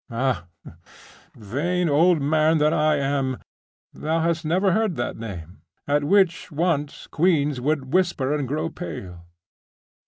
Ah! vain old man that I am! Thou hast never heard that name, at which once queens would whisper and grow pale.